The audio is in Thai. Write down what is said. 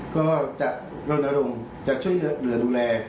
ก็จะรณรงค์จะช่วยเหลือดูแล